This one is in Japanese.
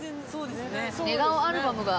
寝顔アルバムが。